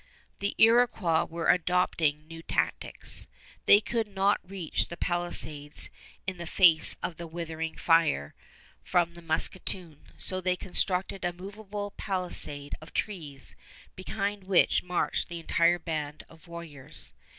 The Iroquois were adopting new tactics. They could not reach the palisades in the face of the withering fire from the musketoon, so they constructed a movable palisade of trees, behind which marched the entire band of warriors.